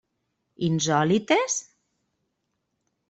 Insòlites?